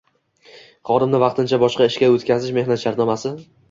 xodimni vaqtincha boshqa ishga o‘tkazish Mehnat shartnomasi